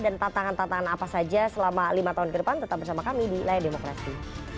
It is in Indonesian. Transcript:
dan tantangan tantangan apa saja selama lima tahun ke depan tetap bersama kami di layar demokrasi